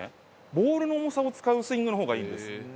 ボールの重さを使うスイングのほうがいいんです。